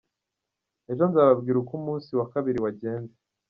Ejo nzababwira uko umunsi wa kabiri wagenze.